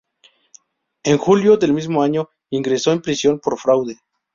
En julio del mismo año, ingresó en prisión por fraude.